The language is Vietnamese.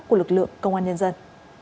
của lực lượng công an nhân dân